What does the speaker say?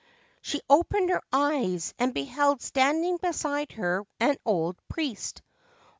' She opened her eyes, and beheld standing beside he an old priest.